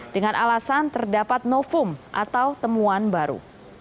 dengan alasan terdapat novum atau temuan baru